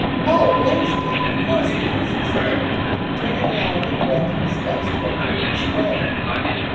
"Oh, Wednesday! Of course it is," he said, turning round and directing his steps towards Grosvenor Square.